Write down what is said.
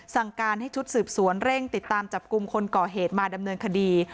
สั่งการให้ชุดสืบสวนเร่งติดตามจับกลุ่มคนก่อเหตุมาดำเนินคดี